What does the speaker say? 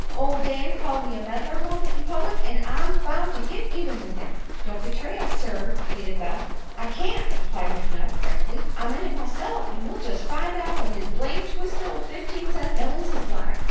"Ol' Dan called me a meddler onc't in public an' I'm bound t' git even with him." "Don't betray us, sir," pleaded Beth. "I can't," replied McNutt, frankly; "I'm in it myself, an' we'll jest find out what his blame twisted ol' fifteen cent mellings is like."